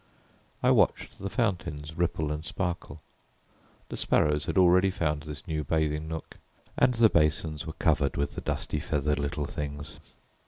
I watched the fountains ripple and sparkle; the sparrows had already found this new bathing nook, and the basins were covered with the dusty feathered little things.